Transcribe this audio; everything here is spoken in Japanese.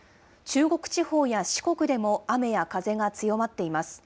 中国地方や四国でも雨や風が強まっています。